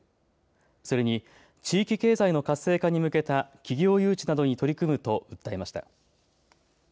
それに地域経済の活性化に向けた企業誘致などに取り組むと訴えました。